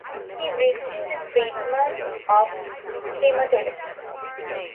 He received a treatment of chemotherapy.